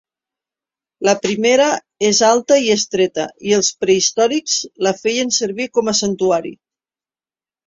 La primera és alta i estreta i els prehistòrics la feien servir com a santuari.